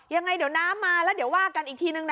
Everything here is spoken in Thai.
ยังไงเดี๋ยวน้ำมาแล้วเดี๋ยวว่ากันอีกทีนึงนะ